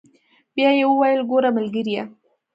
بيا يې وويل ګوره ملګريه.